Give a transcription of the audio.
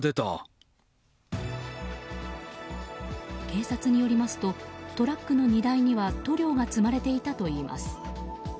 警察によりますとトラックの荷台には塗料が積まれていたといいます。